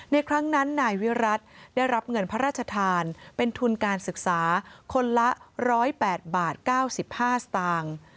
ครั้งนั้นนายวิรัติได้รับเงินพระราชทานเป็นทุนการศึกษาคนละ๑๐๘บาท๙๕สตางค์